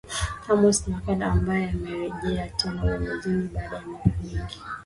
Amos Makalla ambaye anarejea tena uongozini baada ya miaka mingi